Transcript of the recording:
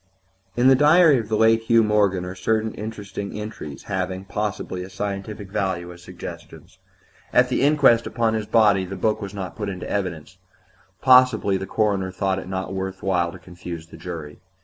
IV In the diary of the late Hugh Morgan are certain interesting entries having, possibly, a scientific value as suggestions. At the inquest upon his body the book was not put in evidence; possibly the coroner thought it not worth while to confuse the jury.